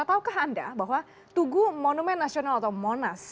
tahukah anda bahwa tugu monumen nasional atau monas